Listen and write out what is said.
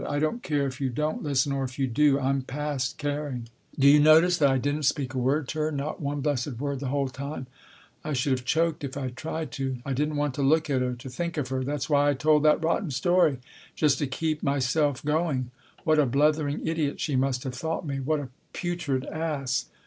I don't care if you don't listen. Or if you do. I'm past caring. 28 Tasker Jevons " D'you notice that I didn't speak a word to her not one blessed word the whole time ? I should have choked if I'd tried to. I didn't want to look at her, to think of her. That's why I told that rotten story, just to keep myself going. What a blethering idiot she must have thought me ! What a putrid ass